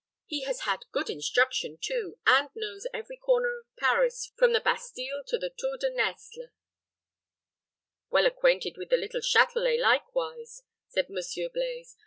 He has had good instruction, too, and knows every corner of Paris from the Bastile to the Tour de Nesle." "Well acquainted with the little Châtelet, likewise," said Monsieur Blaize.